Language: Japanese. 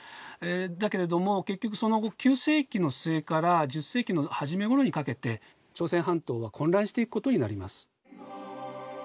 だけれども結局その後９世紀の末から１０世紀の初め頃にかけて朝鮮半島は混乱していくことになります。